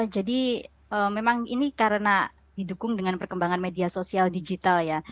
jadi memang ini karena didukung dengan perkembangan media sosial digital ya